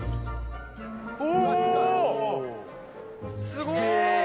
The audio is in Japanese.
すごーい！